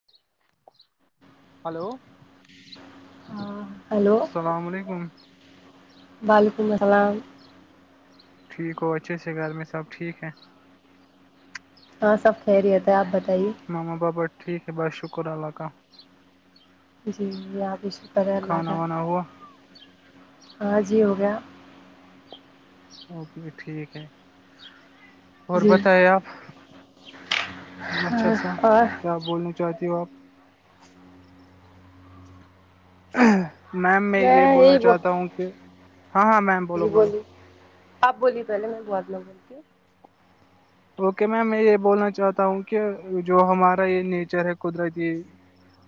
[inaudible] hello ہاں hello اسلام علیکم [unintelligible] ٹھیک ہو اچھے سے گھر میں سب ٹھیک ہے ہاں سب کہہ رہ تھا ہے آپ بتائیے ماما پاپا ٹھیک ہے بس شکر اللہ کا جی جی آپ بھی شکر ہے اللہ کھانا کا وانا ہوا ہاں جی ہو گیا اوکے ٹھیک ہے اور جی بتائے آپ اچھا ہاں سا اور کیا بولنا چاہتی ہو آپ میم میں یہ بولنا یہی ب چاہتا ہوں کہ ہاں ہاں میم بولو جی بولو بولیے آپ بولیے پہلے میں بہات لوگ بولتی اوکے میم میں یہ بولنا چاہتا ہوں کہ جو ہمارا یہ نیچر ہے قدرتی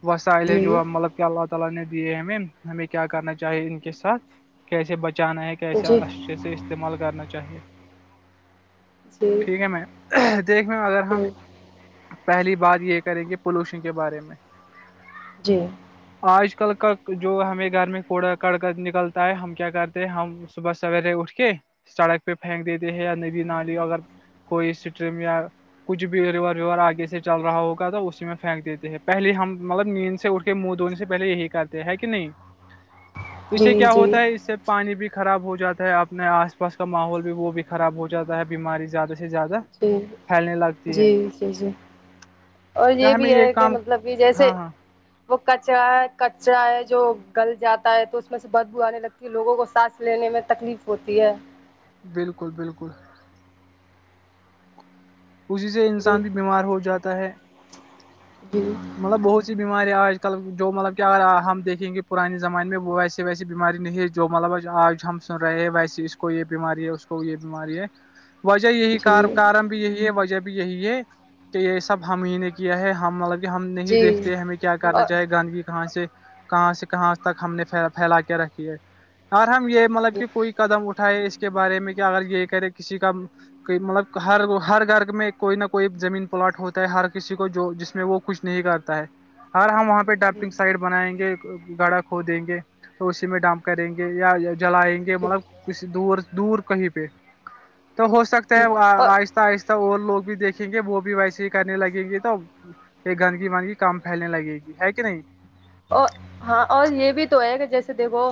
وہسا علے جو جی مطلب کہ اللہ تعا لا نے دیے ہمیں ہمیں کیا کرنا چاہیے ان کے ساتھ کیسے بچانا ہے کیسے جی اچھیسے استعمال کرنا چاہیے جی ٹھیک ہے میں دیکھ میں اگر ہم جی پہلی بات یہ کریں گے پولوشن کے بارے میں جی آج کل کا جو ہمیں گھر میں کوڑا کڑک نکلتا ہے ہم کیا کرتے ہیں ہم صبح سویرے اٹھ کے سڑک پہ پھینک دیتے ہیں یا ندی نالی اگر کوئی سٹری میاں کچھ بھی ریور ویور آگے سے چل رہا ہوگا تو اسی میں پھینک دیتے ہیں پہلے ہم مطلب نیند سے اٹھ منہ دھونے سے پہلے یہی کرتے ہیں کہ نہیں اس سے جی کیا جی ہوتا ہے اس سے پانی بھی خراب ہو جاتا ہے اپنے آس پاس کا ماحول بھی وہ بھی خراب ہو جاتا ہے بیماری زیادہ سے زیادہ جی پھیلنے لگتی ہے جی جی جی اور یہ ہمیں بھی ہے کہ کام مطلب کہ جیسے ہاں ہاں وہ کچرا ہے کچرا ہے جو گل جاتا ہے تو اس میں سے بدبو آنے لگتی ہے لوگوں کو ساتس لینے میں تکلیف ہوتی ہے بالکل بالکل اسی سے جی انسان بھی بیمار ہو جاتا ہے جی مطلب بہت سی بیماری آج کل جو مطلب کہ اگر ہم دیکھیں گے پرانے زمانے میں وہ ایسی ویسی بیماری نہیں جو مطلب آج ہم سن رہے ہیں ویسے اس کو یہ بیماری ہے اس کو یہ بیماری ہے وجہ یہی کار جی کارمب یہی ہے وجہ بھی یہی ہے کہ یہ سب ہم ہی نے کیا ہے ہم لگ ہم نہیں جی دیکتے ہمیں کیا کرنا اور چاہے گاندھیی کہاں سے کہاں سے کہاں تک ہم نے پھیلا کے رکھی ہے اور ہم یہ مطلب جی کہ کوئی قدم اٹھائے اس کے بارے میں کہ اگر یہ کرے کسی کا کہ مطلب ہر ہر گھر میں کوئی نہ کوئی زمین پلاٹ ہوتا ہے ہر کسی کو جو جس میں وہ کچھ نہیں کرتا ہے ہر ہم وہاں پہ ڈاپنگ جی سائٹ بنائیں گے گاڑا کھو دیں گے تو اسی میں ڈم کریں گے یا جلائیں گے مطلب کسی دور دور کہیں پہ تو ہو سکتا ہے اور آہستہ آہستہ اور لوگ بھی دیکھ دیکھیں گے وہ بھی ویسے ہی کرنے لگیں گے تو یہ گندگی وندگی کم پھیلنے لگے گی ہے کہ نہیں اور ہاں اور یہ بھی تو ہے کہ جیسے دیکھو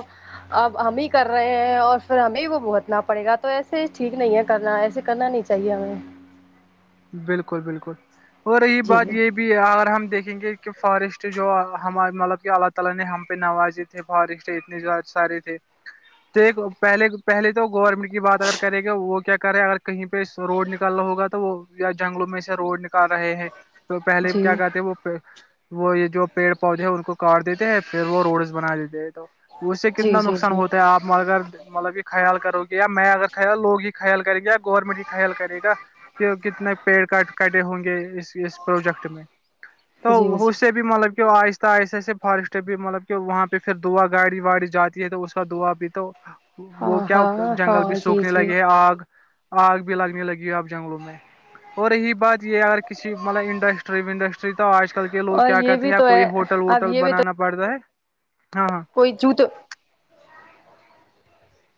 اب ہم ہی کر رہے ہیں اور پھر ہمیں وہ بھگتنا پڑے گا تو ایسے ٹھیک نہیں ہے کرنا ایسے کرنا نہیں چاہیے چاہیے ہمیں بالکل بالکل اور رہی جی بات یہ جی بھی بھی اگر ہم دیکھیں گے کہ فارسٹ جو ہمار مطلب کہ اللہ تعا لا نے ہم پہ نوازے تھے فارسٹ اتنے ز سارے تھے تو پہلے پہلے تو گورنمنٹ کی بات اگر کرے گا وہ کیا کر رہے اگر کہیں پہ پ روڈ نکالنا ہوگا تو وہ یا جنگلوں میں سے روڈ نکال رہے ہیں تو پہلے جی کیا کہتے وہ وہ یہ جو پیڑ پودے ہے ان کو کاٹ دیتے ہیں پھر وہ روڈز بنا دیتے ہیں تو اس سے جی کتنا جی نقصان جی ہوتا ہے آپ مگر مطلب خیال کرو گی یا میں اگر خیال لوگ ہی خیال کرے گی یا گورنمنٹ ہی خیال کرے گا کیکہ اتنے پیڑ کٹ کٹے ہوں گے اس اس پروجیکٹ میں جی تو جی اس سے بھی بھی مطلب کہ آہستہ آہستہ سے فارسٹ بھی مطلب کہ وہاں پہ پھر دعا گاڑی واڑی جاتی ہے تو اس کا دعا بھی تو کا [unintelligible] وہ ہاں کیا ہاں جنگل بھی ہاں جی سوکھنے جی لگے ہے آگ آگ بھی لگنے لگی ہے اب جنگلوں میں اور یہی بات یہ اگر کسی مطلب انڈسٹری ونڈسٹری شتا آج کل کے لو اور کیا یہ کہتے بھی ہیں یا تو ہے کوئی ہوٹل اب ووٹل یہ بھی تو بنانا پڑتا ہے ہاں ہاں کوئی جوت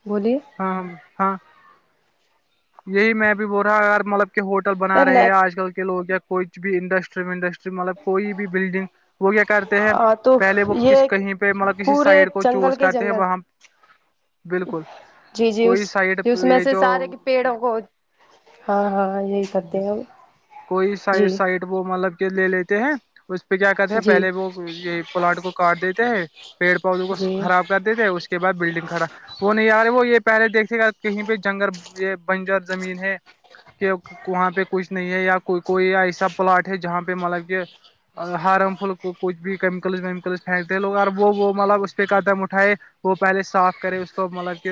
بولیے [unintelligible] ہاں ہاں یہی میں بھی بول رہا اار مطلب کہ ہوٹل بنا رہے ہیں آج کل کے لوگ کچھ بھی انڈسٹری ونڈسٹری مطلب کوئی بھی بلڈنگ وہییا کر ہیں ہاں تو پہلے وہ ک یہ کہیں پہ مطلب کسی پورے سائڈ کو جنگل چوز کے کرتے ہیں جنگل وہاں بالکل جی جی کوئی اس سائڈ اس میں یہ سے جو سارے کے پیڑوں کو ہاں ہاں یہی کہتے ہیں ہم کوئی سائڈ جی سائڈ وہ مطلب کہ لے لیتے ہیں اس پہ کیا کہتے ہیں جی جی پہلے وہ یہ پلاانٹ کو کاٹ دیتے ہیں پیڑ پودوں کو جی خراب کر دیتے تھے اس کے بع بلڈنگ کھڑا وہ نہیں یارے وہ یہ پہلے دیکھتے گا کہیں پہ جنگل یہ بنجر زمین ہے کہ وہاں پہ کچھ نہیں ہے یا کوئی ایسا پلاٹ ہے جہاں پہ مطلب کہ ہارم فل کچھ بھی کیمیکلس ویمیکلس پھینتے لوگ اور وہ وہ مطلب اس پہ قدم اٹھائے وہ پہلے صاف کرے اس کو مطلب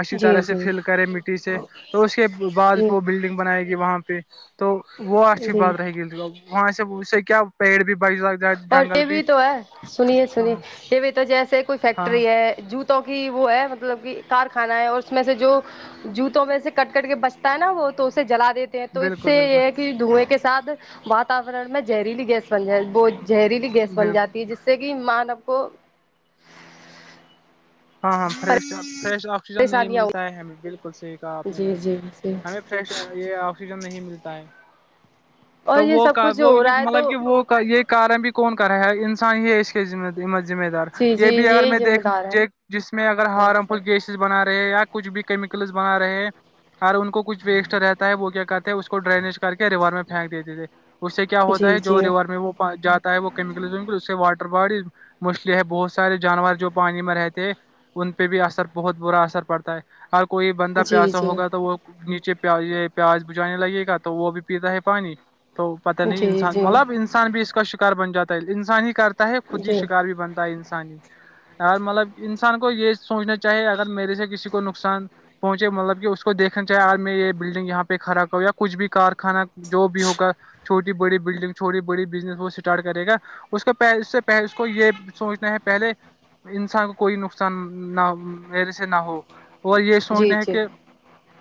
اچھی جی طرح سے فل کرے مٹی سے تو اس کے بعد جی وہ بلڈنگ بنائے گی وہاں پہ تو وہ اچھی جی بدراہ گی وہاں سے اس سے کیا پیڑ بھی بچ جا اور یہ بھی تو ہے سنیے ہاں سنیے ہاں یہ بھی تو جیسے کوئی ہاں ہاں فیکٹری ہے جوت تو کہ وہ ہے مطلب کہ کارخانہ ہے اور اس میں سے جو جوتوں میں سے کٹ کٹ کے بچتا ہے نا وہ تو اسے جلا دیتا ہیں تو اس بالکل سے بالکل یہ ہے کہ دھوئیں کے ساتھ وااتورن میں زہریلی گیس بن جائے وہ زہریلی گیس بن بالکل جاتی ہے جس سے کہ مانو کو ہاں ہاں فریش فریش آکسیجن نہیں پریشانیاں ملتا ہے ہمیں بالکل صحیح کہا آپ ہو نے جی میم جی جی ہمیں فریش یہ آکسیجن نہیں ملتا ہے اور تو یہ وہ سب کا کچھ وہ ہو رہا ہے تو مطلب کہ وہ کا یہ کارم بھی کون کر رہا ہے انسان ہی اس کے ذمہ دار جی جی یہ بھی اگر یہی میں ذمہ دیکھ دار دیک جس میں اگر ہے ہارم فل سب گیسز بنا رہے یا کچھ بھی کیمیکلس بنا رہے ار ان کو کچھ ویسٹ رہتا ہے وہ کیا کہتے ہیں اس کو ڈرینیج کر کے ریور میں پھینک دیتے تھے اس سے کیا ہوتا جی ہے جی جو ریور میں وہ جاتا ہے وہ کیمیکلل اس سے واٹر باڈیز مسٹلی ہے بہت سارے جانور جو پانی میں رہتے ہیں ان پہ بھی اثر بہت برا اثر پڑتا ہے اور کوئی بندہ جی پہسا جی ہوگا تو وہ نیچے پ پیاز بجانے لگے گا تو وہ بھی پیتا ہے پانی تو پتہ نہیں جی جی انسان جی مطلب انسان بھی اس کا شکار بن جاتا ہے انسان ہی کر ہے خود ہی جی شکار بھی بنتا ہے انسانی اور مطلب انسان کو یہ سوچنا چاہیے اگر میرے سے کسی کو نقصان پہنچے مطلب کہ اس کو دیکھنا چاہے آج میں یہ بلڈنگ یہاں پہ کھڑا کروں یا کچھ بھی کارخانہ جو بھی ہوگا چھوٹی بڑی بلڈنگ چھوٹی بڑی بزنس وہ اسٹارٹ کرے گا اس کو پ اس سے پ اس کو یہ سوچنا ہے پہلے انسان کوئی نقصان نہ میرے سے نہ ہو اور یہ جی سوچنے ہے جی کہ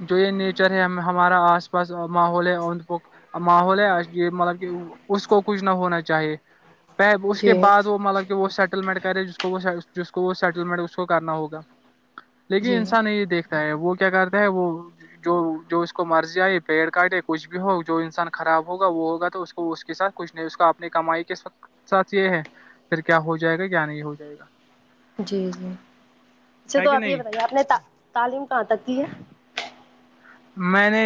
جو یہ نیچر ہے ہمارا آس پاس ماحول ہے اند پک ماحول ہے یہ مطلب کہ اس کو کچھ نہ ہونا چاہیے پ اس کے بعد وہ مطلب کہ وہ سیٹللمنٹ کرے جس کو وہ وہ سیٹلمنٹ اس کو کرنا ہوگا لیکن جی انسان یہ دیکھتا ہے وہ کیا کرتا ہے وہ جو جو اس کو مرضی آئے پیڑ کاٹے کچھ بھی ہو جو انسان خراب ہوگا وہ ہوگا تو اس کو اس کے ساتھ کچھ نہیں اس کا اپنی کمائی کے ساتھ یہ ہے پھر کیا ہو جائے گا کیا نہیں ہو جائے گا جی جی اچھا ہے تو کہ آپ یہ نہیں بتائیے آپ نے تعلیم کہاں تک کی ہے میں نے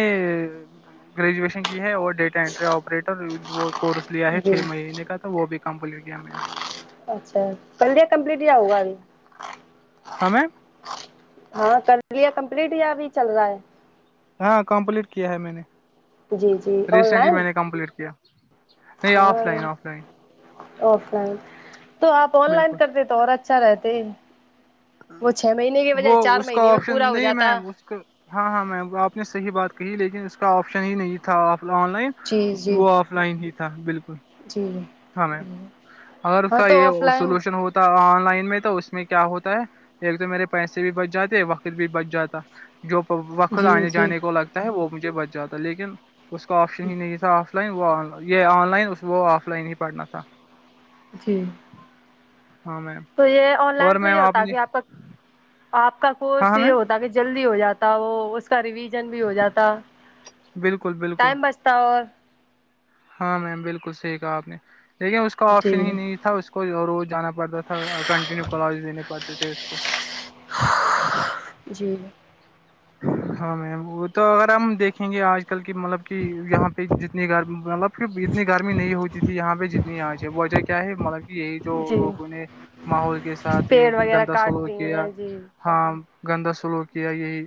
گریجویشن کی ہے وہ ڈیٹا انینٹری آپریٹر وہ کورس لیا ہے جی چھ مہینے کا تو وہ بھی کمپلیٹ کیا میں نے اچھا کڑ لیا کمپلیٹ یا ہوگا ابھی ہاں میم ہاں کر لیا کمپلیٹ یا ابھی چل رہا ہے ہاں کمپلیٹ کیا ہے میں نے جی جی آن ریسنٹلی لائن میں نے کمپلیٹ کیا نہیں of line of line offline تو آپ آن لائن بالکل کرتے تو اور اچھا رہتے وہ چھ مہینے کی بجائے وہ چار اس مہینے کا میں آپشن پورا ہو نہیں جاتا میم اس کا ہاں ہاں میم آپ نے صحیح بات کہی لیکن اس کا آپشن ہی نہیں تھا آن لائن جی جی وہ آ فلائن ہی تھا بالکل جی ج ہاں میم اگر اس کا یہ لائن سولوشن ہوتا ہے آن لائن میں تو اس میں کیا ہوتا ہے ایک تو میرے پیسے بھی بچ جاتے وقت بھی بچ جاتا جو وقت جی آنے جی جانے کو لگتا ہے وہ مجھے بچ جاتا لیکن اس کا آپشن ہی نہیں تھا آ آف لائن وہ یہ آن لائن وہ آف لائن ہی پڑھنا تھا جی ہاں میم تو یہ آن اور لائن سے میم یہ ہوتا نے کہ آپ کا آپ کا کورس ہاں یہ میم ہوتا کیا ہے جلدی ہو جاتا وہ اس کا ریویژن بھی ہو جاتا بالکل بالکل ٹائم بچ تو اور ہاں میم بالکل صحیح کہا آپ نے لیکن اس کا جی آپشن ہی نہیں تھا اس کو روز جانا پڑتا تھا اور کنٹینیو کالج دینے پڑتے تھے اس کو جی ہاں میم وہ تو اگر ہم دیکھیں گے آج کل کی مطلب کہ یہاں پہ جتنی گرمی مطلب کہ اتنی گرمی نہیں ہوتی تھی یہاں پہ جتنی آج ہے وجہ کیا ہے مطلب یہی جو جی لوگوں نے ماحول کے ساتھ یہ پیڑ وغیرہ گندا کاٹ سلو دیے کیا ہیں جی ہاں گندا سلوک کیا یہی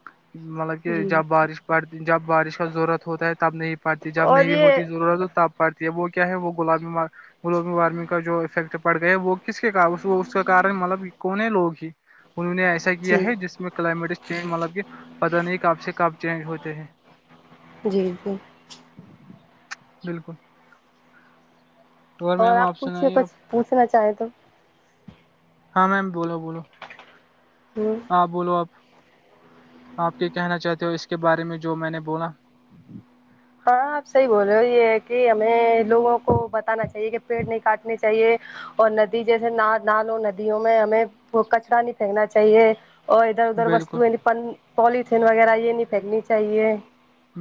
[inaudible] مطلب کہ جی جب بارش پڑتی جب بارش کا ضرورت ہوتا ہے تب نہیں پڑتی جب اور نہیں یہ ہوتی ضرورت تو تب پڑتی ہے وہ کیا ہے وہ گلوبل وارمنگ کا جو افیکٹ پڑ گئے وہ کس کے کا اس کے کارن مطلب کونے لوگ ہی انہوں نے ایس کیا جی ہے جس میں کلائمیٹ چینج مطلب کہ پتا نہیں کب سے کب چینج ہوتے ہیں جی جی بالکل اور میم آپ پوچھیے سنائیے آپ کچھ پوچھنا چاہیں تو ہاں میم بولو بولو ہوں ہاں بولو آپ آپ کیا کہنا چاہتے ہو اس کے بارے میں جو میں نے بولا ہاں آپ صحیح بول رہے ہو یہ کہ ہمیں لوگوں کو بتانا چاہیے کہ پیڑ نہیں کاٹنے چاہیے اور ندی جیسے نالوں ندیوں میں ہمیں کچرا نہیں پھینکنا چاہیے اور ادھر ادھر بالکل وستونی پولیتھین وغیرہ یہ نہیں پھینکنی چاہیے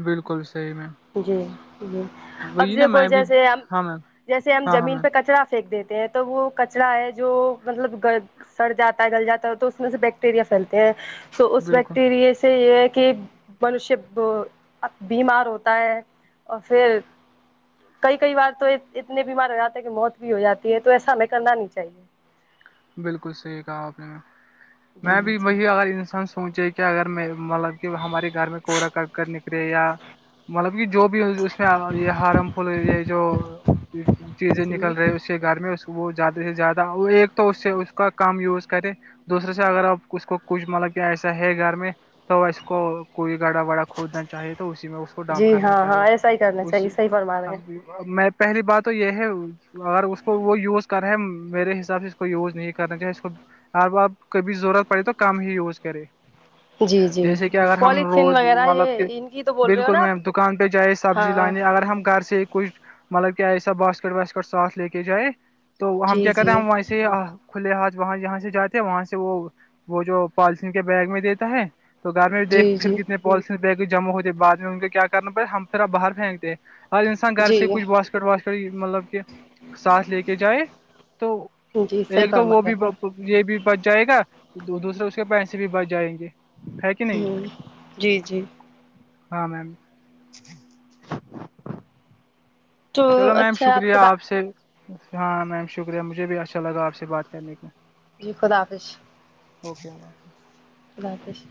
بالکل صحیح میں جی جی اب وہی نا کوئی بھی جیسے ہم ہاں میم جیسے ہم ہاں ہاں زمین میم پہ کچرا پھینک دیتے ہیں تو وہ کچرا ہے جو مطلب گ سڑ جاتا ہے گل جاتا ہے تو اس میں سے بیکٹیریا پھیلتے ہیں تو اس بالکل بیکٹیرے سے یہ ہے کہ منش بیمار ہوتا ہوتا ہے اور فر کئی کئی بار تو اتنے بیمار ہو جاتے ہیں کہ موت بھی ہو جاتی ہے تو ایسا ہمیں کرنا نہیں چاہیے بالکل صحیح کہا آپ نے میں جی بھی جی وہی اگر انسان سوچے کہ اگر مطلب کہ ہمارے گھر میں کورا کر نکرے یا مطلب کہ جو بھی اس میں یہ ہارم فل یہ جو چیزیں جی نکل رہی سے گھر میں وہ زیادہ سے زیادہ وہ ایک تو اس سے اس کا کم یوز کرے دوسرے سے اگر اب اس کو کچھ مطلب کہ ایسا ہے گھر میں تو اسس کو کوئی گاڑا واڑا کھودنا چاہیے تو اسی میں اس کو ڈانپ جی کرنا ہاں چاہیے ہاں ایسا ہی کرنا اس چاہیے صحیح فرما رہے ہم میں پہلی بات تو یہ ہے اگر اس کو وہ یوز کر رہا ہے میرے حساب سے اس کو یوز نہیں کرنا چاہیے اس کو اب اپ کبھی ضرورت پڑی تو کم ہی یوز کرے ہیں جی جی جیسے کہ اگر ہم پولیتھین روز وغیرہ مطلب کہ یہ ان کی تو بول رہے ہو بالکل نا میں آپ دکان پہ جائ سبزی ہاں لانی اگر ہم گھر سے کوچھ مطلب کہ ایسا باسکٹ واسکٹ ساتھ لے کے جائے تو ہم جی کیا کہتے جی ہیں ہم کھلے ہاتھ وہاں جاں سے جاتے ہیں وہاں سے وہ وہ جو پالیسین کے بیگ میں دیتا ہے تو گھر میں بھی جی دیک پھر جی کتنے جمع ہوتے بعد میں ان کو کیا کرنا پڑ ہمھر باہر پھینکتے ہر انسان گھر جی سے کچھ باس واس مطلب کہ ساتھ لے کے جائے تو جی صحیح ایک تو فرما وہ رہے بھی ہیں یہ بھی بچ جائے گا دوسرے اس کے پیسے بھی بچ جائیں گے کہ نہیں ہوں جی جی ہاں میم تو چلو میم اچھا شکریہ آپ بات سے ہاں میم شکریہ مجھے بھی اچھا لگا آپ سے بات کرنے میں جی خدا حافظ اوکے خدا حافظ